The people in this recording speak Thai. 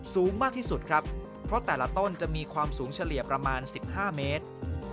สูงมากที่สุดครับเพราะแต่ละต้นจะมีความสูงเฉลี่ยประมาณ๑๕เมตร